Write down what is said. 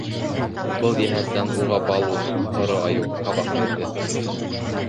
Был йәһәттән уға Балу — һоро айыу һабаҡ бирҙе.